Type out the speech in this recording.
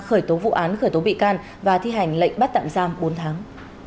khởi tố vụ án khởi tố bị can và thi hành lệnh bắt tạm giam bốn tháng